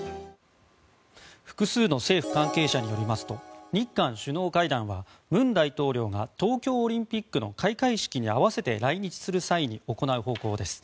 複数の政府関係者によりますと日韓首脳会談は文大統領が東京オリンピックの開会式に合わせて来日する際に行う方向です。